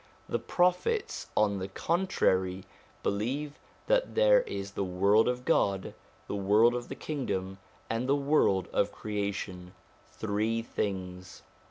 The Prophets, on the contrary, believe that there is the world of God, the world of the Kingdom, and the world of Creation: three things.